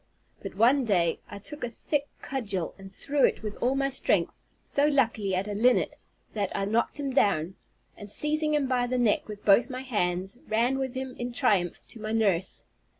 But one day, I took a thick cudgel, and threw it with all my strength so luckily, at a linnet, that I knocked him down, and seizing him by the neck with both my hands, ran with him in triumph to my nurse.